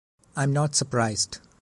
I’m not surprised!